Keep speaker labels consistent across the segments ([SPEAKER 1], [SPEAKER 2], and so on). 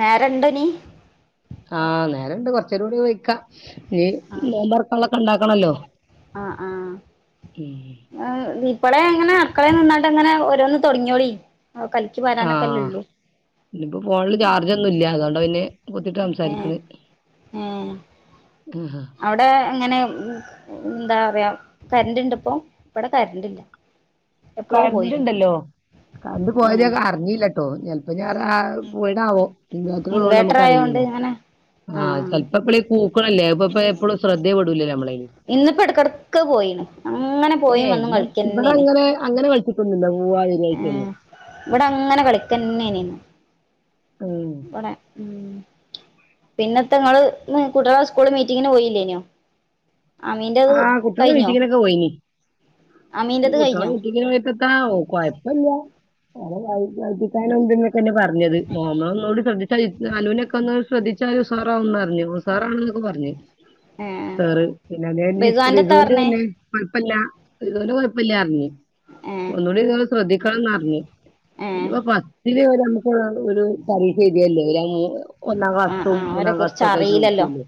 [SPEAKER 1] നേരണ്ട ഇനി
[SPEAKER 2] ആ നേരണ്ട് കൊറച്ചേരേംകൂടി വിളിക്കാ ഈ
[SPEAKER 1] ആഹ്
[SPEAKER 2] നോമ്പൊർക്കള്ളൊക്കെ ഉണ്ടാക്കണല്ലോ
[SPEAKER 1] ആഹ് ഇപ്പളേങ്ങനെ അട് ക്കളേ നന്നാട്ട അങ്ങനെ ഓരോന്ന് തൊടങ്ങിയോളി കലക്കി
[SPEAKER 2] ആ
[SPEAKER 1] വരാനൊക്കെല്ലേ ഉള്ളൂ
[SPEAKER 2] ഇനിപ്പോ ഫോണില് ചാർജ് ഒന്നുംല്ല അതുകൊണ്ട് പിന്നെ കുത്തിട്ട്
[SPEAKER 1] ഏഹ്
[SPEAKER 2] സംസാരിക്കണ്
[SPEAKER 1] ഏഹ്
[SPEAKER 2] ആഹ്
[SPEAKER 1] അവിടെ എങ്ങനെയാ എന്താ ഫ്രണ്ടിണ്ട് ഇപ്പൊ ഇവിടെ കരണ്ടില്ല
[SPEAKER 2] കര്ണ്ട് ണ്ടല്ലോ കരണ്ട് പോയത്
[SPEAKER 1] ഏഹ്
[SPEAKER 2] അറിഞ്ഞില്ല ട്ടോ ഇഞ്ഞെ ഞാ [unintelligible] റ പോയിണാവോ ഇൻവേറ്റർ ഇള്ളോണ്ട്
[SPEAKER 1] ഇൻവേർട്ടർ
[SPEAKER 2] നമക്ക്
[SPEAKER 1] ആയോണ്ട്
[SPEAKER 2] അറീലല്ലോ
[SPEAKER 1] ഇങ്ങനെ
[SPEAKER 2] ആഹ് ചെല്പപ്പെളെ കൂക്ക്ണെല്ലേ ഇപ്പെ പ്പെ എപ്പളു ശ്രദ്ധേ പെടൂലെല്ലോ നമ്മളെ
[SPEAKER 1] ഇന്ന്പ്പോ എടക്കെട്ക്ക് പോയിണ് അങ്ങനെ പോയി വന്നും കളിക്യനേനി
[SPEAKER 2] ഇങ്ങനെ കളിച്ചിക്കൊന്നുല്ല മൂവായിരയ്ക്കൊന്നും
[SPEAKER 1] ഇവിടെ അങ്ങനെ വടേ ഉം പിന്നെത്ത ഇങ്ങള് ഇന്ന് കുട്ട്യാളെ സ്കൂള്ൾ മീറ്റിങ്ങിന് പോയില്ലേനോ അമീന്റെത്
[SPEAKER 2] ആ കുട്ട്യേളെ
[SPEAKER 1] കഴിഞ്ഞോ
[SPEAKER 2] മീറ്റങ്ങിനോക്കെ പോയിനി ഉം
[SPEAKER 1] അമീന്റെത് കഴിഞ്ഞോ
[SPEAKER 2] കുട്ട്യേളമീറ്റിങ്ങിന് പോയിട്ടെത്ത കോയ്പ്പല്യ [unintelligible] ശ്രദ്ധിക്കാനു എന്ത് ന്നൊക്കെന്നെ പറഞ്ഞത് ന്നോമ്മളൊന്നൂടി ശ്രദ്ധിച്ച അനുനൊക്കെന്ന് ശ്രദ്ധിച്ച തായാലു ഉസാറവുംന്നറ്ഞ്ഞ് ഉസാറാവുന്നൊക്കെ പറഞ്
[SPEAKER 1] ഏ
[SPEAKER 2] സാർ പിന്നെ അതേരി
[SPEAKER 1] ബിസുവാന്റെത്താ
[SPEAKER 2] റിതൂന്റെ
[SPEAKER 1] പറഞ്ഞേ
[SPEAKER 2] പിന്നെ പ പ്പല്ല. റിതുന്റെ കൊഴപ്പല്ലാറ്ഞ്.
[SPEAKER 1] ഏ
[SPEAKER 2] ഒന്നൂടി ഇങ്ങള് ശ്രദ്ധിക്കണംന്നർഞ്
[SPEAKER 1] ഏ
[SPEAKER 2] പിന്നപ്പോ പത്തില് ഓലമ്മക് ഓല് പരീക്ഷ എഴ്ധിയല്ലെ ഒരമു ഒന്നാം
[SPEAKER 1] ആ ആ
[SPEAKER 2] ക്ലാസ്ത്തൊം
[SPEAKER 1] അവരെ
[SPEAKER 2] മൂന്നാം
[SPEAKER 1] കുറിച്ച്
[SPEAKER 2] ക്ലാസുതോക്കേയിട്ട് ഒക്കെ
[SPEAKER 1] അറിയില്ലല്ലോ
[SPEAKER 2] നോകിയല്ലെ.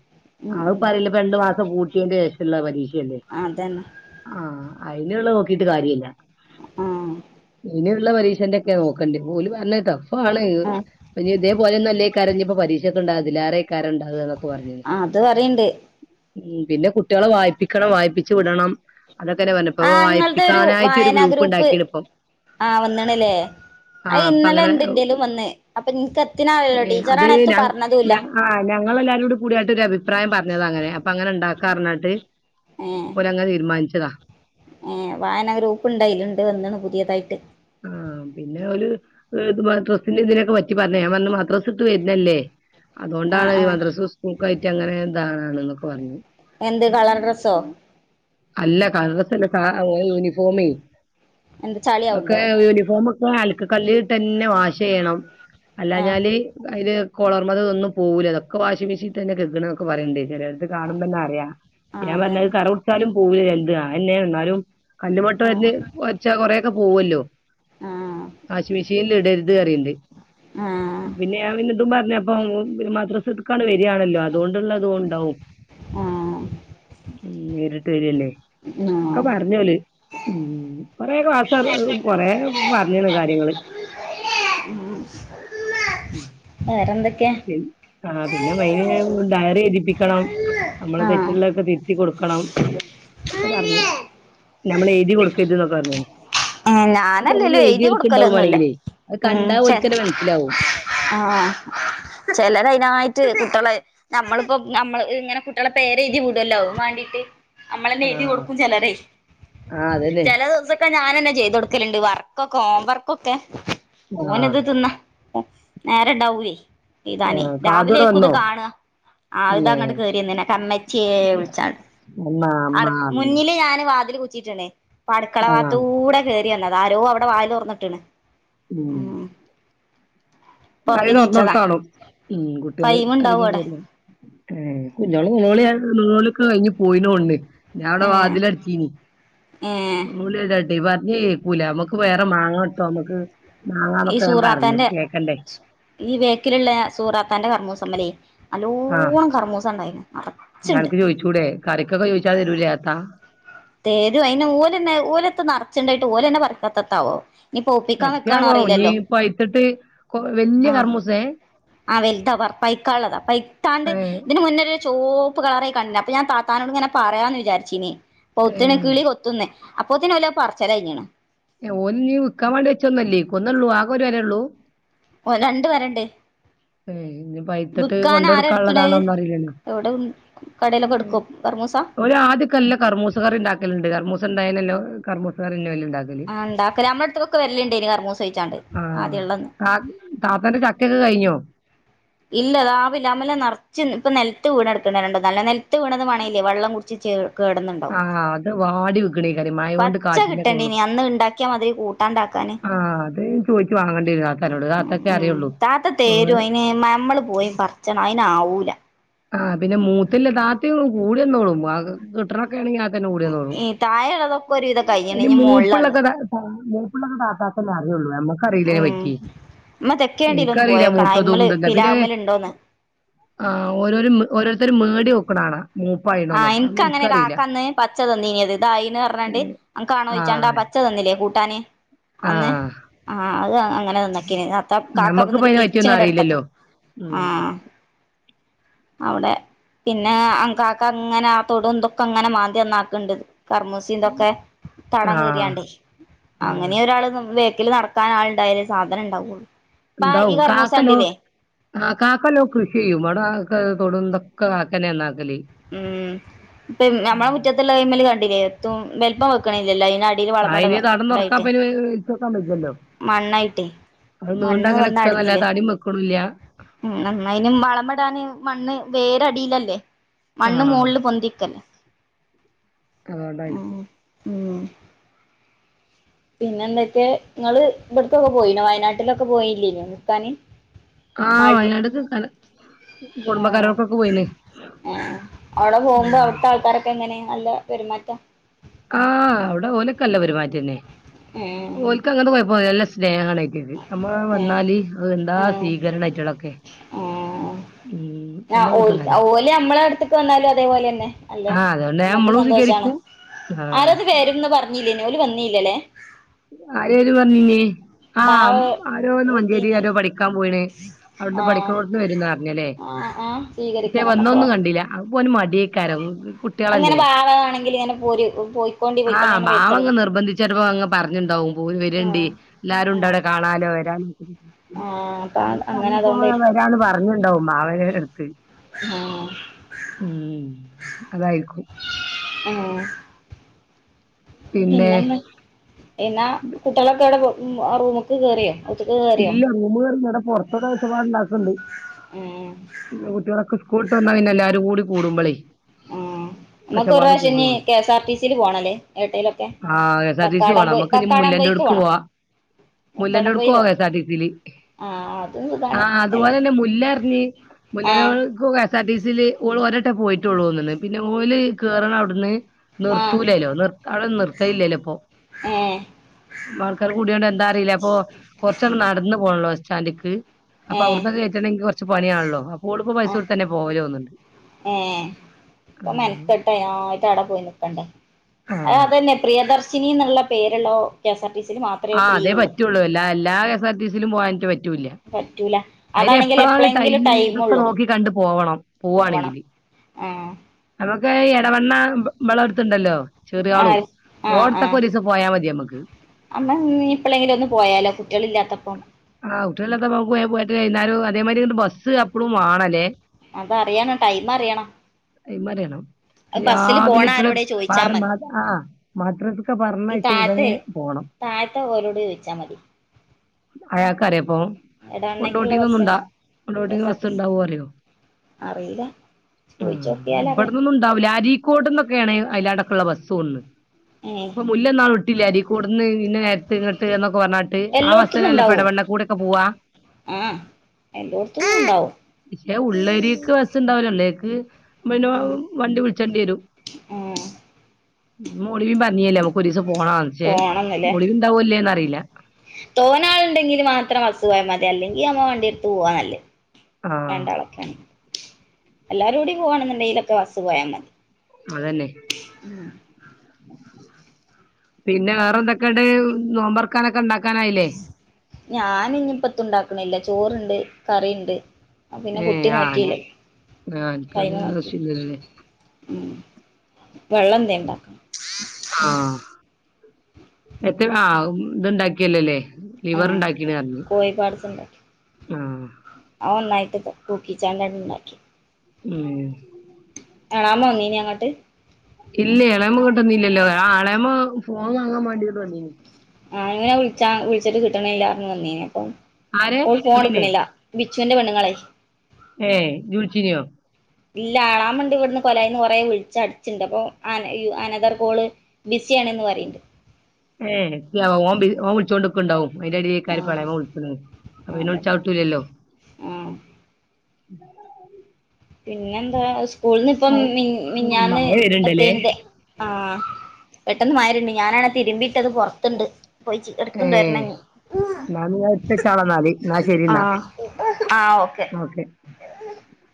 [SPEAKER 1] ഉം ഉം
[SPEAKER 2] ആഹ്പ്പറീല്ല ആഹ്പ്പ രണ്ട് മാസം പൂട്ട ന്റേശള്ള പരീക്ഷയല്ലേ
[SPEAKER 1] അതന്നെ
[SPEAKER 2] ആഹ് അയ്‌ന്ള്ളെ നോക്കീട്ട് കാര്യല്ല
[SPEAKER 1] ആ
[SPEAKER 2] ഇനി ഉള്ള പരീക്ഷന്റെ ഒക്കെ നോകണ്ട്യെ ഓല് പറഞ്ഞെട്ടോ? ഇപ്പോആള് ഇഞ് ഇതേപോലെ ഒന്നു അല്ലെയ്ക്കാരം ഇഞ്പ്പ പരീക്ഷക്ക് ണ്ടാവാ ഇതിലേറയ ക്കാരം ഇണ്ടവന്നൊക്കെ പറ്ഞീനി
[SPEAKER 1] ആ അത് പറയണ്ട്
[SPEAKER 2] ഉം പിന്നെ കുട്ട്യേളെ വായ്പിക്കണം വായ്പ്പിച്ച് വിടണം അതൊക്കന്നെ പറഞ് ഇപ്പ
[SPEAKER 1] ആ
[SPEAKER 2] വ
[SPEAKER 1] ഇങ്ങളത്
[SPEAKER 2] വായിപ്പിക്കാനായിട്ട് ഒരു ഗ്രൂപ്പ് ഇണ്ടാകീണ് ഇപ്പം
[SPEAKER 1] ആഹ് വന്ന്ണ് ലേ അയ്
[SPEAKER 2] ആഹ്
[SPEAKER 1] ഇന്നലെ
[SPEAKER 2] അപ്പങ്ങനെ
[SPEAKER 1] ഇണ്ട് ഇന്റേലും വന്ന്. അപ്പം ഇൻക്ക് എത്ത്നാറിലല്ലൊ ടീച്ചറണേ എത്തും പറ്ഞ്ഞതൂല്ല
[SPEAKER 2] ഇങ്ങളല്ലാരുകൂട് കൂടിയാണ്ട് ഒരഭിപ്രായം പറ്ഞ്ഞതാ അങ്ങനെ അപ്പ അങ്ങൻണ്ടാ കർണാട്ട് ഓലങ്ങനെ തീര്മാൻച്ചതാ
[SPEAKER 1] ഏഹ് വായന ഗ്രൂപ്പ് ഇണ്ട് അയില്ണ്ട് വന്ന്ണ് പുതിയതായിട്ട്
[SPEAKER 2] ആഹ പിന്നെ ഒര് ഹ് ത് മദ്രസ്സിനിം തിനിംക്കെ പറ്റി പറഞ് ഞാപറഞ് മാദ്രസ്ട്ട് വർനല്ലേ [unintelligible]
[SPEAKER 1] ആഹ്
[SPEAKER 2] അതോണ്ടാണ് ഇ
[SPEAKER 1] ആഹ്
[SPEAKER 2] മദ്രസൂസ്കൂൾക്കായിട്റ്റങ്ങനെ ഇതാണ്ന്നൊക്കെ പറഞ്ഞു
[SPEAKER 1] എന്ത്‌ കളർ ഡ്രസ്സോ
[SPEAKER 2] അല്ല കളഡ്രസ്സ്‌ അല്ല സാ ഓളെ യൂണിഫോമെ-
[SPEAKER 1] എന്ത്‌
[SPEAKER 2] ഒക്കെ യൂണിഫോമക്കെ അൽക്ക്കല്ലിട്ട് തന്നെ വാഷയ്യണം
[SPEAKER 1] ആഹ്
[SPEAKER 2] അല്ലഞ്ഞാല് അയ്ൽ കൊളർമതതോന്നും പോവൂല തൊക്കെ വാഷിമെഷീട്ട് തന്നെ കെഖ്ണെന്നൊക്കെ പറയ്ണ്ട് ചേലോൽത് കാണുമ്പോന്നെ അറിയാ
[SPEAKER 1] ആഹ്
[SPEAKER 2] ഞാപറഞ് അഅ്
[SPEAKER 1] അതന്നെ
[SPEAKER 2] കറപുട്ച്ചാലും പോവൂല്ല ചെല്ത് അഹന്നെ ന്നാലും കല്ലുമ്മട്ട് ഓർൽ
[SPEAKER 1] ആഹ്
[SPEAKER 2] ഒര്ച്ച കൊറേക്കെ പോവോല്ലോ
[SPEAKER 1] ആഹ്
[SPEAKER 2] വാഷിമെഷീൻ ഇടര്ത് അറിണ്ട്
[SPEAKER 1] ആഹ്
[SPEAKER 2] പിന്നെ ഞാൻഇതും പറഞ്ഞ് ഇപ്പം മ് മദ്രസ്ട്ട്കാണ്ട്‌ വര്യായാണല്ലോ അതോണ്ടുള്ളതുണ്ടാവും
[SPEAKER 1] ആ
[SPEAKER 2] ഉം നേരിട്ട് വര്യല്ലേ ഒക്കെ പറഞ്ഞോല് ഉം കൊറേ ക്ലാ സർ ഉം ഉം കൊറെ പറഞ്ഞീണ് കാര്യങ്ങള്
[SPEAKER 1] വേറെന്തൊക്കെ
[SPEAKER 2] ആ പിന്നെ മൈന് ഡയറി എഴ്തിപ്പിക്കണം നമ്മള്
[SPEAKER 1] ആഹ്
[SPEAKER 2] തെറ്റുള്ളൊക്കെ തിര് ത്തി കൊടുക്കണം ന്നൊക്കെ പറഞ്ഞ് ഞമ്മള് എഴുതി കൊടുക്കരുത് ന്നൊക്കെ പറഞ്ഞകണ്
[SPEAKER 1] ഏഹ്
[SPEAKER 2] അത് ചെ ലോൽ
[SPEAKER 1] ഞാനല്ലേലും എഴുതി കൊടുക്കലൊന്നുല്ല
[SPEAKER 2] എഴുതിയോട്ക്ണ്ടാവുമണെങ്കിലേ അത് കണ്ടാ ഒൽക്കന്നെ മനസ്സിലാവും
[SPEAKER 1] ആ ചിലര്അയ്നായിറ്റ് കുട്ട്യാളെ ഞമ്മള്പ്പം ഞമ്മള് ഇങ്ങനെ കുട്ട്യാളെ പേരെയ്തി വിടോലോ അയ്ൻമാണ്ടീട്ട് അമ്മളെന്നെ എഴുതി
[SPEAKER 2] ആഹ്
[SPEAKER 1] കൊടുക്കും ചെലരെ
[SPEAKER 2] ആഹ് അതന്നെ
[SPEAKER 1] ചില ദിവസൊക്കെ ഞാനന്നെ ചെയ്ത് കൊടുക്കലുണ്ട് വർക്കൊക്കെ ഹോം വർക്കൊക്കെ
[SPEAKER 2] ആഹ്
[SPEAKER 1] ഓൻത് തിന്നാ നേരെണ്ടൗലേ എഴ്താനെ
[SPEAKER 2] ആഹ് കാതുവടെ
[SPEAKER 1] രാവിലെക്കു ഇത്
[SPEAKER 2] വന്നോ
[SPEAKER 1] കാണ ആ ഇത്
[SPEAKER 2] പിന്നെ
[SPEAKER 1] അങ്ങോട്ട് കേയറിയന്നന്നെ കമ്മച്ചിയെ വിളിച്ചാ
[SPEAKER 2] അമ്മാ അമ്മാ
[SPEAKER 1] മുന്നില് ഞാന് വാതിൽ കു റ്റിട്ട്ണ് അപ്പടുക്കള ഭാത്ത്
[SPEAKER 2] ആഹ്
[SPEAKER 1] കൂടെ കേറി വന്നത് ആരോ അവിടെ വാതിൽ തുറന്നിട്ട്ണ്
[SPEAKER 2] ഉം
[SPEAKER 1] ഒറങ്ങി
[SPEAKER 2] ആരെയും
[SPEAKER 1] നീച്ചതാ
[SPEAKER 2] തുറന്നൊട്ത്താണും ഉം കുട്ടികള്
[SPEAKER 1] ഫൈമ്ണ്ടാവും
[SPEAKER 2] ആരേലും
[SPEAKER 1] അവിടെ
[SPEAKER 2] കേറി വ കുഞ്ഞോൾ നേളോളിയാണ് നൂലൊക്കെ കഴിഞ്ഞ് പോയി ണോന്ന്ണ് ഞാൻ അവിടെ
[SPEAKER 1] ഏ ഏ
[SPEAKER 2] വാതിലട്ച്ചീനിനൂല് ദ പറഞ്ഞേ കേക്കൂല നമുക്ക് വേറെ മാങ്ങ ഇട്ടോ നമുക്ക്
[SPEAKER 1] ഈ
[SPEAKER 2] മാങ്ങാന്നൊക്കെ ഞാൻ പറഞ്ഞു
[SPEAKER 1] സൂറാത്താന്റെ
[SPEAKER 2] കേൾക്കണ്ടേ
[SPEAKER 1] ഈ വേക്കിലുള്ള സൂറാത്താന്റെ കർമ്മുസമ്മലേ
[SPEAKER 2] ആ
[SPEAKER 1] നല്ലോണം കറ്മൂസ ഇണ്ടായിന് നിറച്ചുണ്ട്
[SPEAKER 2] നനക്ക് ചോദിച്ചൂടെ കറിക്കൊക്കെ ചോദിച്ചാൽ തരൂലേ ആത്താ
[SPEAKER 1] തേരു അയിന് ഓലന്നെ ഓലത്ത് നിറച്ചുണ്ടായിട്ട് ഓലന്നെ പ പറിക്കത്തത്താവോ
[SPEAKER 2] എത്തിയാ പോനിഇപ്പ പഴ്ത്തിട്ട് കൊ വല്ല്യയ
[SPEAKER 1] ആഹ്
[SPEAKER 2] കർമൂസേ
[SPEAKER 1] ആ വലുതാ പ പൈക്ക ഉള്ളതാ പൈത്താണ്ട്
[SPEAKER 2] ഏ
[SPEAKER 1] ഇതിന് മുന്നൊരു ചോപ്പ് കളറ കണ്ടണ അപ്പൊ ഞാൻ താത്താനോട് ഇങ്ങനെ പറയാന്ന് വിചാരിച്ചീനേ
[SPEAKER 2] ഏ
[SPEAKER 1] പൌത്ത്ണ് കിളി കൊത്തുന്നേ അപ്പത്തിനെ വല്ല പറച്ചില കയിഞ്ഞീണ്
[SPEAKER 2] ഓ നീ വിൽക്കാൻ വേണ്ടി വെച്ച ഒന്നല്ല കൊന്നള്ളൂ ആകെ ഒരു വരെേ ഉള്ളൂ
[SPEAKER 1] ഓ രണ്ട് വരണ്ടേ
[SPEAKER 2] ഇനി പഴുത്തിട്ട്
[SPEAKER 1] വിക്കൻ ആര് എടുക്കണ
[SPEAKER 2] കൊണ്ടുകൊടുക്കാനുള്ളതാണോ എന്നറിയില്ലല്ലോ
[SPEAKER 1] എവിടെ കടയിലൊക്കെ എടുക്കുവ
[SPEAKER 2] ഓല് ആദ്യക്കല്ല കർമൂസക്കറി ഉണ്ടാക്കലുണ്ട് കർമ്മൂസ ഉണ്ടായനല്ലോ കർമൂസക്കറി ഇന്നല്ല ണ്ടാക്കൽ
[SPEAKER 1] ആ ഉണ്ടാക്കല് നമ്മളടുത്ത്ക്കൊക്കെ വരലുണ്ടേനി കർമൂസ ചോയിച്ചാണ്ട് ആദ്യള്ളന്ന്
[SPEAKER 2] ആ താത്തന്റെ ചക്കക്കൊ കഴിഞ്ഞോ
[SPEAKER 1] ഇല്ല താവില്ല അമ്മലെ നിറച്ച് ഇപ്പൊ നിലത്ത് വീണ ടുക്ക്ണ്ട് നല്ല നിലത്ത്ത് വീണത് മണല്ലേ വെള്ളം കുടിച്ച് ചേ കേടന്നുണ്ടാവും
[SPEAKER 2] ആഹ് അത് വാടി വിക്കണേക്കാരം മഴകൊണ്ട്
[SPEAKER 1] പച്ച
[SPEAKER 2] കാറ്റിനൊക്കെ
[SPEAKER 1] കിട്ടണ്ടി
[SPEAKER 2] വീണു.
[SPEAKER 1] ഇനി അന്ന് ഉണ്ടാക്കിയാ മാതിരി കൂട്ടാണ്ടാക്ക
[SPEAKER 2] ആഹ് അത് ചോയിച്ചു വാങ്ങേണ്ടി വരും താത്താനോട് താത്തക്കേ
[SPEAKER 1] ഉം
[SPEAKER 2] അറിയുള്ളൂ.
[SPEAKER 1] താത്ത തരും അയിന് നമ്മള് പോയി പറച്ചണം അയിന് ആവൂല
[SPEAKER 2] ആ പിന്നെ മൂത്തില്ല താത്തി കൂടിയന്നോളും അതെക്കെകിട്ടണം ണെങ്കി താത്തന്നെ കൂടിയന്നോളും
[SPEAKER 1] ഈ താഴെയുള്ളതൊക്കെ ഒരുവിധം കഴിഞ്ഞണ്
[SPEAKER 2] അയിന്
[SPEAKER 1] ഇനി മോളിലാ ഉള്ളത്
[SPEAKER 2] മൂപ്പ്ള്ളൊക്കെ മൂപ്പ് ള്ളൊക്കെ താത്തക്ക് അറിയൊള്ളൂ നമ്മക്ക്റിലല്ലോ
[SPEAKER 1] ഉം
[SPEAKER 2] അയിനെപറ്റി
[SPEAKER 1] ഉമ്മ തെക്കേണ്ടിലൊന്ന്
[SPEAKER 2] ഇനക്ക്റിയില്ല
[SPEAKER 1] പോയോക്കണം അയിമ്മല്
[SPEAKER 2] മൂത്തതന്ത പിന്നെ
[SPEAKER 1] പിലാവുമ്മല് ഉണ്ടോന്ന്
[SPEAKER 2] ആ ഓരോ ഓരോരുത്തർ മേടി നോക്ക്ണാണ്
[SPEAKER 1] ആ ഇനക്ക് അങ്ങനെ കാക്കന്ന് പച്ച തന്നീനിയത് ഇതായിന്ന് പറഞ്ഞണ്ട്
[SPEAKER 2] ഏഹ്
[SPEAKER 1] അന്ക്കാണോയിച്ചാണ്ട് ആ
[SPEAKER 2] ആഹ്
[SPEAKER 1] പച്ച തന്നില്ലേ കൂട്ടാ ട്ടാന് അന്ന്
[SPEAKER 2] ആഹ്
[SPEAKER 1] ആ അത് അങ്ങനെ തന്നട്ട ത്ത കാക്ക
[SPEAKER 2] ഞമ്മക്കിപ്പ
[SPEAKER 1] വന്നിട്ട്
[SPEAKER 2] അയിനെ പറ്റിയൊന്നും
[SPEAKER 1] പിരിച്ചങ്ങടെ എടുത്തക്ക
[SPEAKER 2] അറിയില്ലല്ലോ. ഉം
[SPEAKER 1] ആഹ് അവിടെ പിന്നെ കാക്ക അങ്ങനെ തൊടുംന്തൊക്കെ അങ്ങനെ മാന്തി അന്നാക്കണ്ടത്- കർമൂസിന്തൊക്കെ തടം
[SPEAKER 2] ആഹ്
[SPEAKER 1] കയറിയാണ്ടേ
[SPEAKER 2] ആഹ്
[SPEAKER 1] അങ്ങനെ ഒരാൾ വ- ൽ നടക്കാൻ ആളുണ്ടായാല സാധനം ഉണ്ടാവുള്ളൂ ഇപ്പ ഈ
[SPEAKER 2] ഉണ്ടാവും
[SPEAKER 1] കർമൂസ
[SPEAKER 2] കാക്ക [unintelligible] ലോ
[SPEAKER 1] കണ്ടില്ലേ
[SPEAKER 2] ആ കാക്കലോ കൃഷി ചെയ്യും അട കൊടന്തൊക്കെ ആാക്കന [unintelligible]
[SPEAKER 1] ഉം ഇ നമ്മളെ മുറ്റത്തുള്ള ടൈമില് കണ്ടില്ലേും വലപ്പം വെക്കണില്ലല്ലോ അടിയിൽ
[SPEAKER 2] ആ
[SPEAKER 1] വളമട
[SPEAKER 2] അനി തന്ന തു [unintelligible]
[SPEAKER 1] ഇതായിട്ട്
[SPEAKER 2] റക്കാപ്പ ഇനി ഇച്ചോക്കാൻ പിക്കല്ലോ [unintelligible]
[SPEAKER 1] മണ്ണായിട്ടേ
[SPEAKER 2] അത് നീണ്ട
[SPEAKER 1] മണ്ണ്
[SPEAKER 2] അങ്ങനെ
[SPEAKER 1] വന്ന്
[SPEAKER 2] നിക്ക്നല്ലാതെ
[SPEAKER 1] അടിഞ്ഞില്ലേ
[SPEAKER 2] തടി വെക്കണില്ല
[SPEAKER 1] ഉം നന്നായിനി വളമിടാന് മണ്ണ് വേ- അടിയിലല്ലേ മണ്ണ്
[SPEAKER 2] ആഹ്
[SPEAKER 1] മുകളില് പൊന്തിക്കല്ലേ ഉം
[SPEAKER 2] അതുകൊണ്ടായിരിക്കും
[SPEAKER 1] ഉം പിന്നെ എന്തക്കെ നിങ്ങള് ഇവിടത്തെക്കെ പോയിന വയനാട്ടിലൊക്കെ പോയില്ലന നോക്കാന്
[SPEAKER 2] ആഹ് വയനാടൊക്കെ കണാം
[SPEAKER 1] ആഹ് ആഹ് അവിടെ പോകുമ്പോ
[SPEAKER 2] ഉം
[SPEAKER 1] അവിടത്തെ ആൾക്കാരൊക്കെ എങ്ങനെയാ നല്ല പെരുമാറ്റവാ
[SPEAKER 2] ആഹ് അവിടെ ഓലക്ക്‌ നല്ല പെരുമാറ്റയല്ലേ
[SPEAKER 1] ഏഹ്
[SPEAKER 2] ഓലക്ക്‌ അങ്ങട് പോയ പോയാല് - സ്നേഹണമാണ്ക്കത് നമ്മ
[SPEAKER 1] ഏഹ്
[SPEAKER 2] വന്നാല് അ എന്താ
[SPEAKER 1] ആഹ്
[SPEAKER 2] സ്വീകരണവാ അവിറ്റകൾക്കൊക്കെ
[SPEAKER 1] ആ ആഹ ഓ ഓല നമ്മള അടുത്തേക്ക് വന്നാലും അതേപോലെന്നെ അല്ലെ
[SPEAKER 2] ആഹ് അതോണ്ട് ഞാൻ
[SPEAKER 1] നമ്മക്കും
[SPEAKER 2] നമ്മളും
[SPEAKER 1] സന്തോഷമാണ്
[SPEAKER 2] സ്വീകരിക്കും. ആഹ്
[SPEAKER 1] ആരോന്ന് വേരുന്നും പറഞ്ഞില്ലേയ്നേ ഓല് വന്നില്ലല്ലേ
[SPEAKER 2] ആര് വരും പറഞ്ഞീനീ
[SPEAKER 1] ബാവ
[SPEAKER 2] ആഹ് ആരോന്ന് മഞ്ചേരി
[SPEAKER 1] വിട്ടീനല്ലോ
[SPEAKER 2] ആരോ പഠിക്കാൻ പോയിണ് അവിടുന്ന്
[SPEAKER 1] ആഹ്
[SPEAKER 2] പഠിക്ക്ന്നോട്ത്ത്ന്ന് വരുന്ന് പറഞത് ലേ
[SPEAKER 1] ആഹ് ആഹ് സ്വീകരിക്കണം ന്നൊക്കെ പറഞ്ഞ്
[SPEAKER 2] അപ്പം ഓന്ന് മടിയൊയ്ക്കാരം കുട്ടിളല്ലേ
[SPEAKER 1] ബാവാണെങ്കിൽ ഇങ്ങനെ പോര് പോയിക്കോണ്ടി
[SPEAKER 2] ആ
[SPEAKER 1] പോയിക്കോണ്ടി അങ്ങനെ
[SPEAKER 2] ബാവ
[SPEAKER 1] വരുത്തലുണ്ട്
[SPEAKER 2] നിർബന്ധിച്ചാണ്ട് ഇപ്പെ അ ണ്ടാവും പോയി വരേണ്ടി
[SPEAKER 1] ആഹ്
[SPEAKER 2] എല്ലാരും ഉണ്ട്
[SPEAKER 1] ആഹ്
[SPEAKER 2] അവിടെ കാണാലോ വരാനും
[SPEAKER 1] ആഹ് അപ്പ
[SPEAKER 2] [unintelligible]
[SPEAKER 1] അങ്ങനെ
[SPEAKER 2] പറഞ്ഞപ്പോ
[SPEAKER 1] അതുകൊണ്ടായിരിക്കും
[SPEAKER 2] വരാന്ന് പറഞ്ഞുണ്ടാവും ബാവ എടുത്ത്
[SPEAKER 1] ആഹ്
[SPEAKER 2] ഉം അതായിരിക്കും
[SPEAKER 1] ഏഹ് പിന്നെ എന്നാ ഇന്നാ കുട്ടികളൊക്കെ എവിടെ റൂമക്ക് കേറിയോ ഒത്ത്ക്ക് കേറിയോ
[SPEAKER 2] ഇല്ല റൂമ് കടന്ന് അവിടെ പുറത്തെയ്ടെ ഒച്ചപ്പാട് ഉണ്ടാക്ക്ണ്ട്
[SPEAKER 1] ഉം
[SPEAKER 2] പിന്നെ കുട്ടികളൊക്കെ സ്കൂള്ട്ട് വന്നാ പിന്നെ എല്ലാരും കൂടി കൂടുമ്പോളേയ്
[SPEAKER 1] ആഹ് നമുക്ക് ഒരു പ്രവശ്യം ഇഞ് കെ എസ് ആർ ടിസിൽ പോണല്ലേ ഏട്ടെയിലൊക്കെ കക്കാടം പോയി കക്കാടം പോയിക്ക്
[SPEAKER 2] അന്റോടുക്ക്
[SPEAKER 1] പോണം
[SPEAKER 2] പോവാ
[SPEAKER 1] കക്കാടം പോയി
[SPEAKER 2] പോകാം K S R T C യിൽ ആ
[SPEAKER 1] സുഖാണ്
[SPEAKER 2] അതുപോലെ
[SPEAKER 1] എല്ലാം
[SPEAKER 2] തന്നെ മുല്ലപറിഞ്ഞ് മുല്ല
[SPEAKER 1] ആഹ്
[SPEAKER 2] [unintelligible] എസ് ആർ ടി സി ല് ഓള് ഒര ഇ പോയിട്ട് ഒള്ളൂതോന്ന്ണ് പിന്നെ ഓല് ക കേറണ അവിടന്ന്
[SPEAKER 1] ആഹ്
[SPEAKER 2] നിർത്തൂലല്ലോ നിർത്ത ആവടെ നിർത്തല്ലല്ലോലേ ഇപ്പൊ
[SPEAKER 1] ഏഹ്
[SPEAKER 2] ആൾക്കർ കൂടിയോണ്ട് എന്താ അറിയില്ല അപ്പൊ കൊറച്ചവിടെന്ന് നടന്ന് പോകണല്ലോ സ്റ്റാൻഡിക്ക് അപ്പൊ
[SPEAKER 1] ഏഹ്
[SPEAKER 2] അവിടന്ന് കേറ്റണങ്കിൽ കുറച്ച് പണിയാണല്ലോ ഓളിപ്പോ മൈസൂറിൽ തന്നെ പോകല് തോന്നുന്നുണ്ട്
[SPEAKER 1] ഏ
[SPEAKER 2] ആ
[SPEAKER 1] ഇപ്പൊ മെനക്കെട്ട് ആയിട്ട് അവിടെ പോയി നിക്കണ്ടേ
[SPEAKER 2] ആ.
[SPEAKER 1] ആഹ് അതന്നെ പ്രിയദർശിനി എന്നുള്ള പേരുള്ള കെ എസ് ടി സിൽ മാത്രമേ
[SPEAKER 2] ആഹ്
[SPEAKER 1] ഫ്രീ
[SPEAKER 2] അതേ
[SPEAKER 1] ഉള്ളൂ
[SPEAKER 2] പറ്റൂള്ളൂ അല്ല എല്ലാ കെ എസ് ആർ ടിസിയിലും പോകാൻ എനിക്ക് പറ്റൂ
[SPEAKER 1] പറ്റൂല
[SPEAKER 2] അയിന്
[SPEAKER 1] അതാണെങ്കിൽ
[SPEAKER 2] എപ്പളാണ്
[SPEAKER 1] എപ്പളെങ്കിലും
[SPEAKER 2] ടൈമ്
[SPEAKER 1] ടൈം
[SPEAKER 2] അതൊക്കെ
[SPEAKER 1] ഉള്ളൂ
[SPEAKER 2] നോക്കി കണ്ട് പോവണം
[SPEAKER 1] പോവണം
[SPEAKER 2] പോവാണെങ്കില്
[SPEAKER 1] ആഹ്
[SPEAKER 2] നോക്ക് എടവണ്ണ ബളെട്ത്ണ്ടല്ലോ ചെറിയാളു
[SPEAKER 1] ആഹ് ആഹ്
[SPEAKER 2] ഓടത്തൊക്കെ
[SPEAKER 1] ആഹ്
[SPEAKER 2] ഒരീസം പോയാ മതിമ്മക്ക്
[SPEAKER 1] അമ്മ ന്ന് ഇപ്പളെങ്കിലൊന്ന് പോയാലോ കുട്ട്യേളില്ലാത്തപ്പൊ
[SPEAKER 2] ആ കുട്ട്യേളില്ലാത്തപ്പൊ നമക്ക് വേ പോയട്ട് വൈന്നാരം അതേമാതിരിങ്ങട്ട് ബസ് അപ്പളും വാണലെ
[SPEAKER 1] അതറിയണം ടൈം അറിയണം
[SPEAKER 2] ടൈമറിയണം
[SPEAKER 1] അത് ബസ്സില്
[SPEAKER 2] രാവിലെ
[SPEAKER 1] പോണ
[SPEAKER 2] ഇറ്റളെ
[SPEAKER 1] ആരോടെ ചോദിച്ചാ മതി
[SPEAKER 2] [unintelligible] ആ മദ്രസക്
[SPEAKER 1] ഈ
[SPEAKER 2] പറഞ്ഞയ്ച്
[SPEAKER 1] താഴത്തെ
[SPEAKER 2] ഉടനെ പോണം
[SPEAKER 1] താഴത്തെ ഓരോട് ചോയ്ച്ചാ മതി
[SPEAKER 2] അയാൾക്കറിയപ്പൊ
[SPEAKER 1] എടവണ്ണേക്കുള്ള
[SPEAKER 2] കൊണ്ടോട്ടിന്നൊന്ന് ണ്ട
[SPEAKER 1] ബസ്സാണ്
[SPEAKER 2] കൊണ്ടോട്ടിന്ന് ബസ്ണ്ടാവൊ അറ്യോ
[SPEAKER 1] അറീല്ല
[SPEAKER 2] ആ ഇവിട്ന്നൊന്നും ണ്ടാവൂല അരീക്കോട്ന്നൊക്കെയാണ് അയിലാണ്ടൊക്കള്ള ബസ്സോവ്ന്നെ
[SPEAKER 1] ഏ
[SPEAKER 2] ഇപ്പൊ മുല്ലെന്നാള് വിട്ടിലെ അരീകോട്ന്ന് ഇന്ന നേരത് ങ്ങട്ട് ന്നൊക്കെ പർഞ്ഞാട്ട് ആ ബസ്
[SPEAKER 1] എല്ലോടത്തൊന്നും
[SPEAKER 2] സിനല്ലേ പ്പൊ
[SPEAKER 1] ഉണ്ടാവോ
[SPEAKER 2] എടവണ്ണകൂടെ പോവാ
[SPEAKER 1] ആ എല്ലോടത്തൊന്നും ഉണ്ടാവും
[SPEAKER 2] ക്ഷേ ഉള്ളേരിക്ക് ബസ്സുണ്ടാവ്ല ലേക്ക് പിന്നെ
[SPEAKER 1] ഉം
[SPEAKER 2] വണ്ടി വിള്ചെണ്ടിരും
[SPEAKER 1] ഉം
[SPEAKER 2] മോളിവിം പറഞ്ഞിനല്ലോ നമുക്ക്ക്കൊരീസം പോണന്ന്ച്ചേ
[SPEAKER 1] പോണംന്നല്ലേ
[SPEAKER 2] ഒളിവ്ണ്ടാവോ ല്ലേന്ന് അറിയില്ല
[SPEAKER 1] തോനാള്ണ്ടെങ്കിൽ മാത്രം ബസ് പോയാമതി അല്ലെങ്കി അമ്മ വണ്ടി എടുത്ത് പോവാാനല്ലേ
[SPEAKER 2] ആ
[SPEAKER 1] വേണ്ടാളൊക്കെയാണ് എല്ലാരും കൂടി പോണെന്നണ്ടങ്കിലൊക്കെ ബസ്സ് പോയാൽ മതി
[SPEAKER 2] അതന്നെ പിന്നെ വേറെ എന്തൊക്കെയണ്ട് നോമ്പർക്കാനൊക്കെ ഉണ്ടാക്ക
[SPEAKER 1] ഞാനിഞ്പ്പത്തും ണ്ടാക്ണില്ല ചോറ്ണ്ട് കറിണ്ട് ആ പിന്നെ
[SPEAKER 2] ഏ
[SPEAKER 1] കുട്ടി
[SPEAKER 2] ആ
[SPEAKER 1] നോറ്റിലെ
[SPEAKER 2] ആ എനിക്ക്
[SPEAKER 1] ടൈമ
[SPEAKER 2] പിന്നെ
[SPEAKER 1] നോറ്റി
[SPEAKER 2] ആവശ്യമില്ലല്ലേ
[SPEAKER 1] ഉം വെള്ളം ന്തേ ണ്ടാക്കണം
[SPEAKER 2] ആഹ എത്ര ആ ഇത്ണ്ടാക്കിയല്ലോല്ലേ ലിവർ
[SPEAKER 1] ആഹ്
[SPEAKER 2] ഉണ്ടാക്കീണ് പർഞ് ആഹ
[SPEAKER 1] ആഓന്നായിട്ട് കുൂക്കി ചാണ്ടാണ്ട് ണ്ടാക്കി
[SPEAKER 2] ഉം
[SPEAKER 1] എളാമ്മ വന്നീന്യോ അങ്ങട്ട്
[SPEAKER 2] ഇല്ലേ എളേമങ്ങട്ട് വന്നില്ലല്ലോ ആ എളേമോ ഫോൺ വാങ്ങാൻ വാണ്ടി ങ്ങട്ട് വന്നിനി
[SPEAKER 1] ആഹ ഇങ്ങനെ വിള്ച്ച വിള്ച്ചിട്ട് കിട്ട്ണില്ലാർഞ് വന്നീനി അപ്പം
[SPEAKER 2] ആരെ
[SPEAKER 1] ഓള് ഫോൺ
[SPEAKER 2] അമ്മീനെ
[SPEAKER 1] ഇട്ക്ക്ണില്ല ച്ചുന്റെ പെണ്ണ്ങ്ങളെ
[SPEAKER 2] ഏ ജ്ജ്ൾച്ചീന്യോ
[SPEAKER 1] ഇല്ല ആളാമണ്ട് ഇവിടുന്ന് കൊലായിന്ന് കുറേ വിള്ച്ചട്ച്ണ്ട് അപ്പൊ അനതർ കോള് ബിസ് സി ആണെന്ന് പറിണ്ട്
[SPEAKER 2] ഏ ല ഓൻ ബി ഓൻ വിൾച്ചോണ്ട്ക്ക്ണ്ടാവും അയ്ന്റെടീലയ്ക്കാരംപ്പം
[SPEAKER 1] ആഹ്
[SPEAKER 2] എളേമ വിൾച്ണെ അപ്പപിന്നെ വിൾച്ചാ
[SPEAKER 1] അതന്നെ
[SPEAKER 2] കിട്ടൂലല്ലോ
[SPEAKER 1] ആഹ്
[SPEAKER 2] [unintelligible]
[SPEAKER 1] പിന്നെ എന്താ സ്കൂൾന്ന്പ്പം
[SPEAKER 2] ഉം,
[SPEAKER 1] മിൻ മിഞ്ഞാന്ന്
[SPEAKER 2] മഴ വരുന്നുണ്ടല്ലേ
[SPEAKER 1] എത്തേന്റെ ആ പെട്ടെന്ന് മഴര്ണ്ട് ഞാനാണെങ്കി തിരുമ്പീട്ടത് പൊറത്ണ്ട്
[SPEAKER 2] ഏ ന്നാല്ന ഇട്ത്തെച്ചാള ന്നാല് ന്നാ ശരി ന്നാ
[SPEAKER 1] ആഹ്
[SPEAKER 2] ഓക്കെ
[SPEAKER 1] [unintelligible]